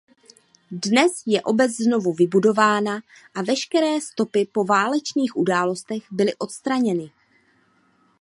Dnes je obec znovu vybudována a veškeré stopy po válečných událostech byly odstraněny.